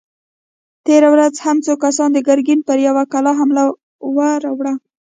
تېره ورځ هم څو کسانو د ګرګين پر يوه کلا حمله ور وړه!